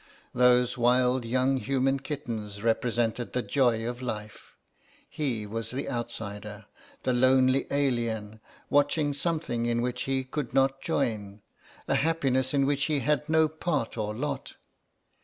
Those wild young human kittens represented the joy of life, he was the outsider, the lonely alien, watching something in which he could not join, a happiness in which he had no part or lot.